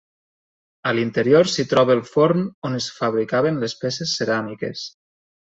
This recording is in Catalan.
A l'interior s'hi troba el forn on es fabricaven les peces ceràmiques.